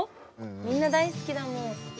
みんな大好きだもん。